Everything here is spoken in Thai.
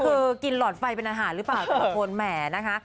คือกินหลอดไฟเป็นอาหารหรือเปล่าแต่ละคนแหมนะคะ